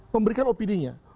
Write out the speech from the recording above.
memberikan opini nya